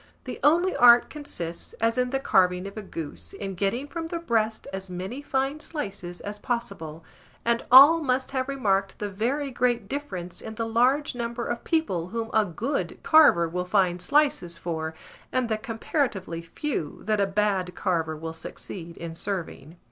The only art consists, as in the carving of a goose, in getting from the breast as many fine slices as possible; and all must have remarked the very great difference in the large number of people whom a good carver will find slices for, and the comparatively few that a bad carver will succeed in serving.